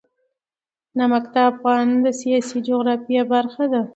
نمک د افغانستان د سیاسي جغرافیه برخه ده.